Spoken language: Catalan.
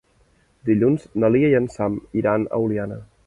Dilluns na Lia i en Sam iran a Oliana.